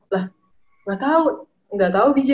lah gak tau gak tau bije